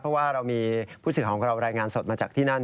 เพราะว่าเรามีผู้สื่อของเรารายงานสดมาจากที่นั่น